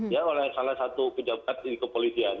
ya oleh salah satu pejabat di kepolisian